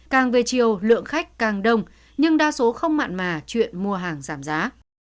càng về chiều lượng khách càng đông nhưng đa số không mặn mà chuyện mua hàng giảm giá